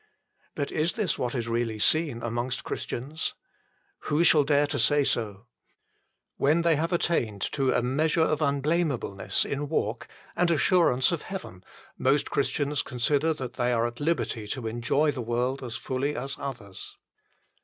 But is this what is really seen amongst Christians ? Who shall dare to say so ? When they have attained to a measure of unblamableness in walk and assurance of heaven, most Christians consider that they are at liberty to enjoy the world as fully as others.